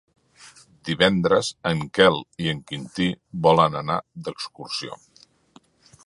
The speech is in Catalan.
Divendres en Quel i en Quintí volen anar d'excursió.